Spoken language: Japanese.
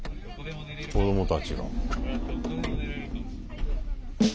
子供たちが。